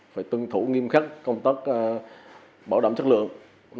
phải tương thủ nghiêm khắc công tắc bảo đảm chất lượng